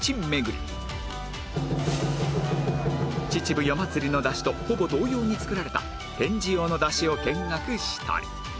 秩父夜祭の山車とほぼ同様に作られた展示用の山車を見学したり